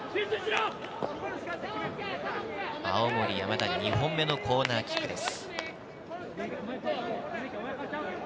青森山田、２本目のコーナーキックです。